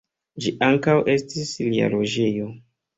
Ĝi ankaŭ estis lia loĝejo.